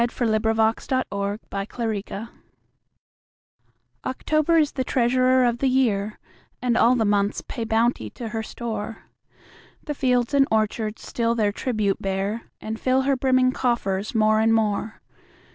Paul Laurence Dunbar October OCTOBER is the treasurer of the year, And all the months pay bounty to her store: The fields and orchards still their tribute bear, And fill her brimming coffers more and more.